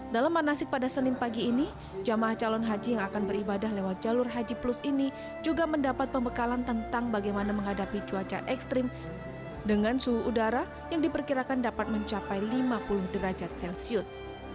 dalam manasik pada senin pagi ini jamaah calon haji yang akan beribadah lewat jalur haji plus ini juga mendapat pembekalan tentang bagaimana menghadapi cuaca ekstrim dengan suhu udara yang diperkirakan dapat mencapai lima puluh derajat celcius